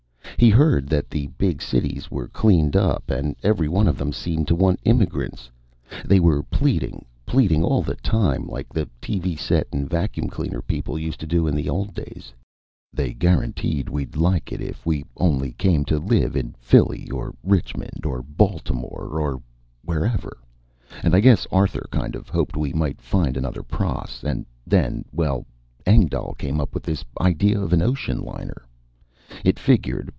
He heard that the big cities were cleaned up and every one of them seemed to want immigrants they were pleading, pleading all the time, like the TV set and vacuum cleaner people used to in the old days; they guaranteed we'd like it if we only came to live in Philly, or Richmond, or Baltimore, or wherever. And I guess Arthur kind of hoped we might find another pross. And then well, Engdahl came up with this idea of an ocean liner. It figured.